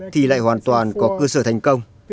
thì lại hoàn toàn có cơ sở thành công